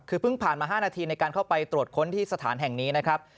คือเพิ่งผ่านมา๕นาทีในการเข้าไปตรวจค้นที่สถานแห่งนี้นะครับ